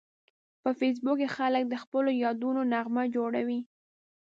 په فېسبوک کې خلک د خپلو یادونو نغمه جوړوي